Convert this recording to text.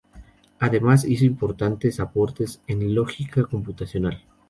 Además hizo importantes aportes en lógica computacional.